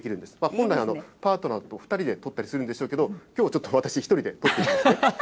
本来、パートナーと２人で撮ったりするんでしょうけど、きょうはちょっと私１人で撮ってみます。